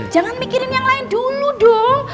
jangan mikirin yang lain dulu dong